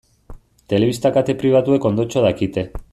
Telebista kate pribatuek ondotxo dakite.